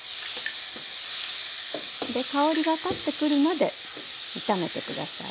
香りが立ってくるまで炒めて下さい。